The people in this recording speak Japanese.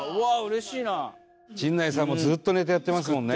陣内さんもずっとネタやってますもんね。